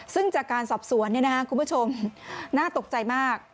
ซึ่งจากการสอบสวนคุณผู้ชมน่าตกใจมาก